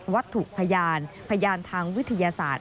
วัตถุพยานพยานทางวิทยาศาสตร์